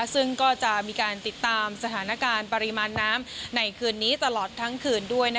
ซึ่งก็จะมีการติดตามสถานการณ์ปริมาณน้ำในคืนนี้ตลอดทั้งคืนด้วย